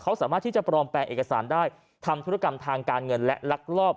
เขาสามารถที่จะปลอมแปลงเอกสารได้ทำธุรกรรมทางการเงินและลักลอบ